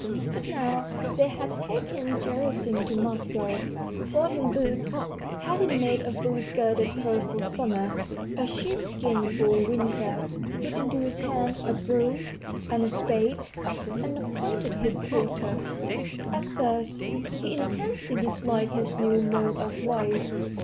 .. But now they had taken Gerasim to Moscow, bought him boots, had him made a full skirted coat for summer, a sheepskin for winter, put into his hand a broom and a spade, and appointed him porter. At first he intensely disliked his new mode of life.